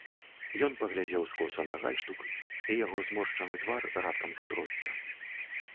Ён паглядзеў скоса на гальштук, і яго зморшчаны твар раптам затросся.